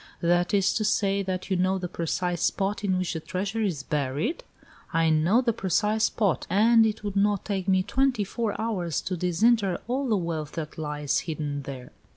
"That is to say, that you know the precise spot in which the treasure is buried?" "I know the precise spot, and it would not take me twenty four hours to disinter all the wealth that lies hidden there."